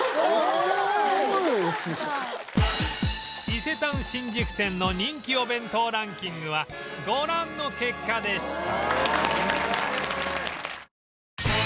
伊勢丹新宿店の人気お弁当ランキングはご覧の結果でした